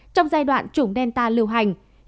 trong giai đoạn chủng delta lưu hành